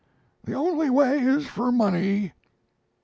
"'The only way is for money.'